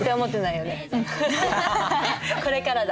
これからだ。